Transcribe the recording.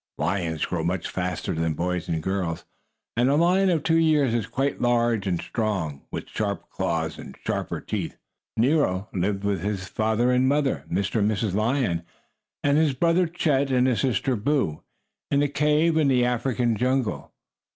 Lions grow much faster than boys and girls, and a lion of two years is quite large and strong, with sharp claws and sharper teeth. Nero lived with his father and mother, Mr. and Mrs. Lion, and his brother Chet and his sister Boo, in a cave in the African jungle.